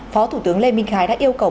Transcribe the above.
phó thủ tướng lê minh khái đã yêu cầu